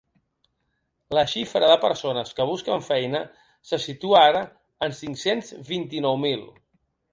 La xifra de persones que busquen feina se situa ara en cinc-cents vint-i-nou mil.